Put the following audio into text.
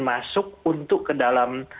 masuk untuk ke dalam